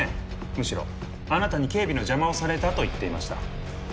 むしろあなたに警備の邪魔をされたと言っていました。